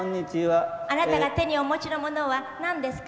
あなたが手にお持ちのものは何ですか？